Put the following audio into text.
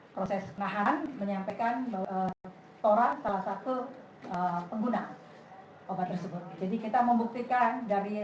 proses nahan menyampaikan bahwa tora salah satu pengguna obat tersebut jadi kita membuktikan dari